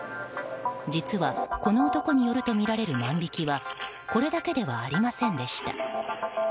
実は、この男によるとみられる万引きはこれだけではありませんでした。